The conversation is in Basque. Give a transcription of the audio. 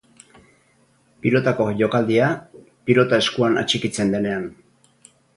Pilotako jokaldia, pilota eskuan atxikitzen denean.